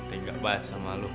tegak banget sama lu